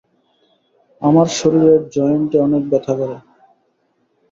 আমার শরীরের জয়েন্টে অনেক ব্যথা করে।